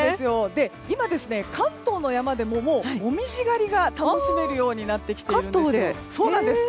今、関東の山でももうモミジ狩りが楽しめるようになってきているんです。